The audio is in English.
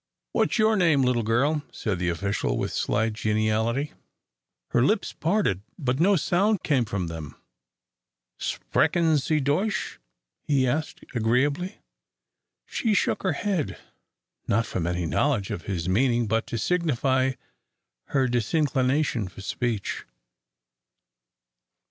"What's your name, little girl?" said the official, with slight geniality. Her lips parted, but no sound came from them. "Sprechen Sie Deutsch?" he asked, agreeably. She shook her head, not from any knowledge of his meaning, but to signify her disinclination for speech.